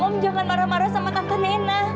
om jangan marah marah sama tante nena